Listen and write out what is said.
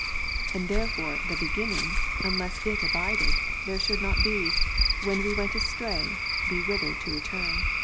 And therefore the Beginning, because unless It abided, there should not, when we went astray, be whither to return^.